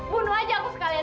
bunuh aja aku sekalian